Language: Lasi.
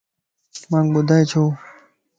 مانک ٻدائي ڇو؟